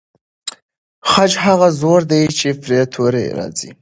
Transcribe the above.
خج هغه زور دی چې پر توري راځي.